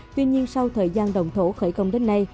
tuy nhiên sau thời gian động thổ khởi công đến nay